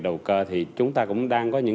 đầu cơ thì chúng ta cũng đang có những